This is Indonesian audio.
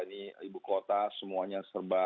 ini ibu kota semuanya serba